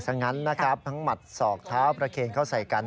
งั้นนะครับทั้งหมัดศอกเท้าประเคนเข้าใส่กัน